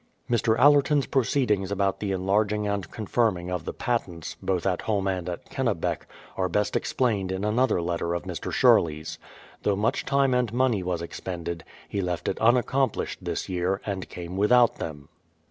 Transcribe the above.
Mr. AUerton's proceedings about the enlarging and con firming of the patents, both at home and at Kennebec, are best explained in another letter of Mr. Sherley's. Though much time and money was expended, he left it unaccompHshed this year, and came without them.